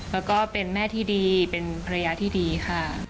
แล้วก็เป็นแม่ที่ดีเป็นภรรยาที่ดีค่ะ